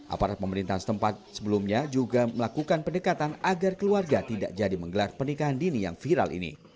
aparat pemerintahan setempat sebelumnya juga melakukan pendekatan agar keluarga tidak jadi menggelar pernikahan dini yang viral ini